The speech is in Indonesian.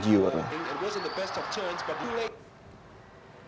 agus mencari peluru di stadion bukit jalil jumat malam